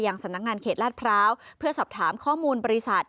สำนักงานเขตลาดพร้าวเพื่อสอบถามข้อมูลบริษัท